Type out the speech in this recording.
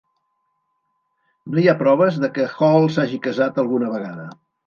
No hi ha proves de que Hall s"hagi casat alguna vegada.